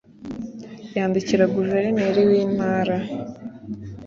yandikira Guverineri w Intara.